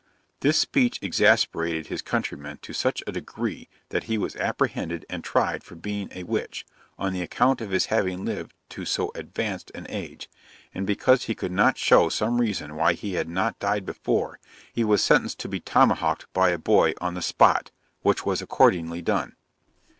This speech exasperated his countrymen to such a degree that he was apprehended and tried for being a witch, on the account of his having lived to so advanced an age; and because he could not show some reason why he had not died before, he was sentenced to be tomahawked by a boy on the spot, which was accordingly done.